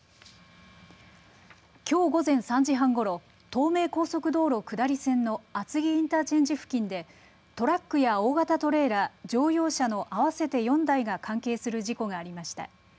きょう午前３時半ごろ東名高速道路下り線の厚木インターチェンジ付近でトラックや大型トレーラー乗用車の合わせて４台が関係する事故がありました。